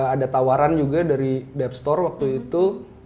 ada tawaran juga dari depstore waktu itu